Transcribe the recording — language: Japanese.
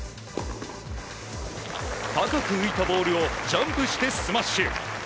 高く浮いたボールをジャンプしてスマッシュ。